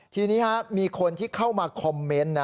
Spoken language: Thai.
ทีนี้มีคนที่เข้ามาคอมเมนต์นะ